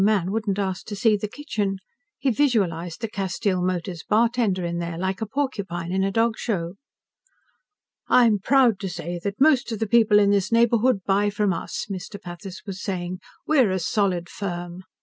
man wouldn't ask to see the kitchen. He visualized the Castile Motors Bartender in there, like a porcupine in a dog show. "I'm proud to say that most of the people in this neighborhood buy from us," Mr. Pathis was saying. "We're a solid firm."